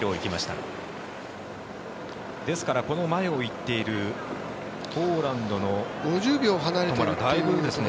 ですから、この前を行っているポーランドのトマラとはだいぶですね。